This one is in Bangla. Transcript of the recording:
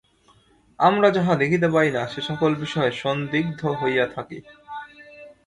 আমরা যাহা দেখিতে পাই না, সে-সকল বিষয়ে সন্দিগ্ধ হইয়া থাকি।